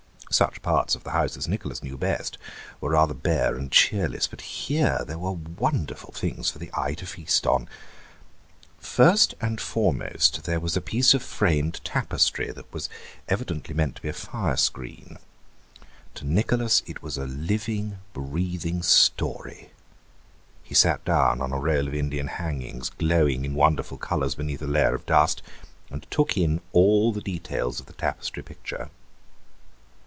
Such parts of the house as Nicholas knew best were rather bare and cheerless, but here there were wonderful things for the eye to feast on. First and foremost there was a piece of framed tapestry that was evidently meant to be a fire screen. To Nicholas it was a living, breathing story; he sat down on a roll of Indian hangings, glowing in wonderful colours beneath a layer of dust, and took in all the details of the tapestry picture.